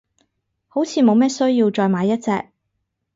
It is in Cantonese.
好似冇咩需要再買一隻，